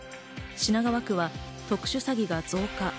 品川区は特殊詐欺が増加。